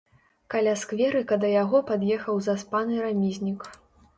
Каля скверыка да яго пад'ехаў заспаны рамізнік.